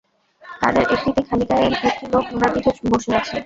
তাদের একটিতে খালিগায়ে একটি লোক ঘোড়ার পিঠে বসে আছে।